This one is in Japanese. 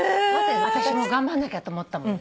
私も頑張んなきゃと思ったもん。